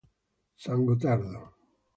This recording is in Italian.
San Gottardo